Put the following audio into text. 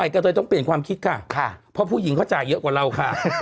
กระเทยต้องเปลี่ยนความคิดค่ะเพราะผู้หญิงเขาจ่ายเยอะกว่าเราค่ะ